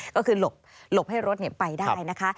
ก็คือหลบให้รถไปได้นะคะ